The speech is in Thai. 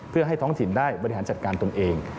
เพื่อให้ท้องถิ่นได้บริหารจัดการตนเอง